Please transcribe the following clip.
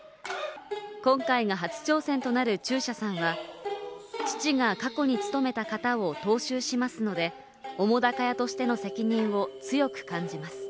今回が初挑戦となる中車さんは、父が過去に務めた方を踏襲しますので澤瀉屋としての責任を強く感じます。